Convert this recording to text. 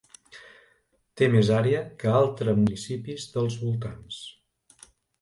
Té més àrea que altre municipis dels voltants.